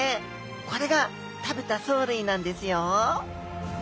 これが食べた藻類なんですよ